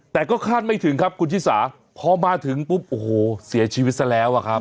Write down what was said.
แต่ก็คาดไม่ถึงครับคุณชิสาพอมาถึงปุ๊บโอ้โหเสียชีวิตซะแล้วอะครับ